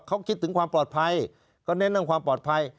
เขาคิดถึงความปลอดภัยเขาเน้นเรื่องความปลอดภัย